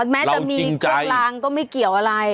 แม้จะมีเครื่องลางก็ไม่เกี่ยวอะไร